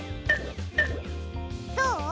どう？